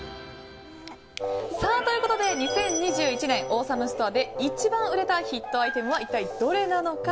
２０２１年、オーサムストアで一番売れたヒットアイテムは一体どれなのか。